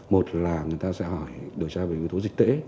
một là người ta sẽ hỏi đối tra về vụ tố dịch tễ